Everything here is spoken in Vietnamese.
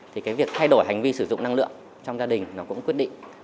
thì cái việc thay đổi hành vi sử dụng năng lượng trong gia đình nó cũng quyết định